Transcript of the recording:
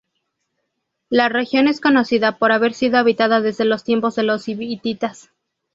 La región es conocida por haber sido habitada desde los tiempos de los hititas.